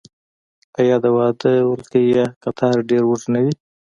آیا د واده ولکۍ یا قطار ډیر اوږد نه وي؟